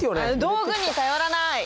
道具に頼らない！